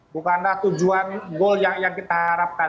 bukanlah tujuan goal yang kita harapkan